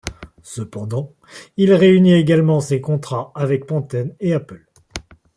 Cependant, il réunit également ses contrats avec Pantene et Apple.